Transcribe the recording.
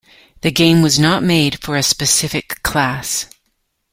The game was not made for a specific class.